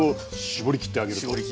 絞りきってあげる。